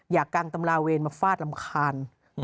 กังตำราเวนมาฟาดรำคาญ